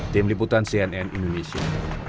tim liputan cnn indonesia